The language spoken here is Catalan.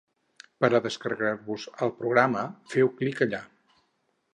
Per a descarregar-vos el programa feu clic allà.